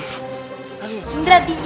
indra diem ya